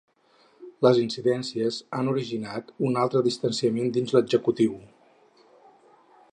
Les incidències han originat un altre distanciament dins l’executiu.